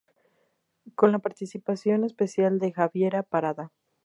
Con la participación especial de Javiera Parada.